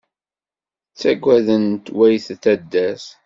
Ttaggaden-t wayt taddart.